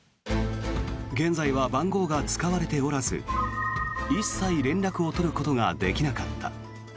現在は番号が使われておらず一切連絡を取ることができなかった。